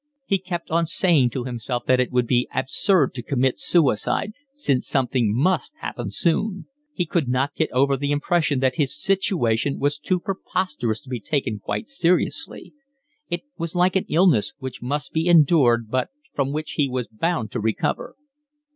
He kept on saying to himself that it would be absurd to commit suicide, since something must happen soon; he could not get over the impression that his situation was too preposterous to be taken quite seriously; it was like an illness which must be endured but from which he was bound to recover.